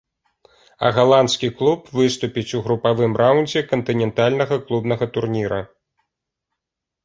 А галандскі клуб выступіць у групавым раўндзе кантынентальнага клубнага турніра.